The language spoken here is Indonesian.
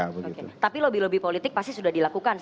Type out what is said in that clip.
oke tapi lobby lobby politik pasti sudah dilakukan